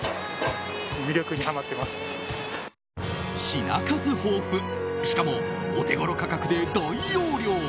品数豊富しかもお手ごろ価格で大容量。